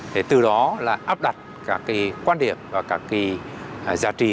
thì từ đó là áp đặt các cái quan điểm và các cái giả trì